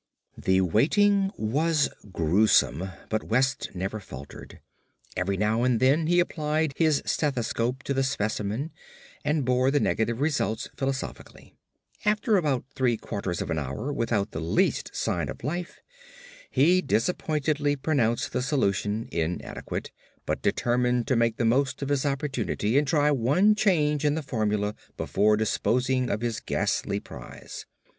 The waiting was gruesome, but West never faltered. Every now and then he applied his stethoscope to the specimen, and bore the negative results philosophically. After about three quarters of an hour without the least sign of life he disappointedly pronounced the solution inadequate, but determined to make the most of his opportunity and try one change in the formula before disposing of his ghastly prize.